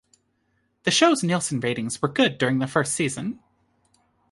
The show's Nielsen ratings were good during the first season.